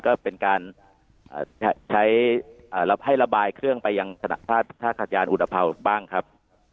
ก็เป็นการให้ระบายเครื่องไปท่ากาศยานอุตพราวบ้างครับ